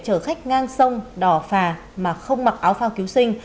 chở khách ngang sông đỏ phà mà không mặc áo phao cứu sinh